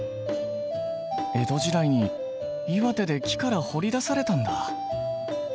江戸時代に岩手で木から彫り出されたんだ。